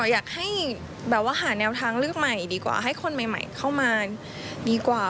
อยากให้แบบว่าหาแนวทางเลือกใหม่ดีกว่าให้คนใหม่เข้ามาดีกว่า